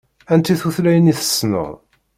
Anti tutlayin i tessneḍ?